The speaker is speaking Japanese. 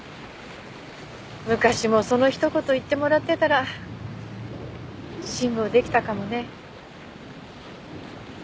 昔もそのひと言言ってもらってたら辛抱出来たかもね。